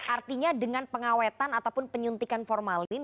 artinya dengan pengawetan ataupun penyuntikan formalin